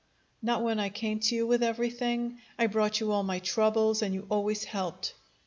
"Not when I came to you with everything? I brought you all my troubles, and you always helped."